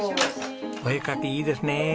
お絵描きいいですねえ。